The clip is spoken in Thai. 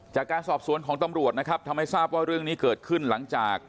จากการสอบสวนของตำรวจนะครับทำให้ทราบว่าเรื่องนี้เกิดขึ้นหลังจาก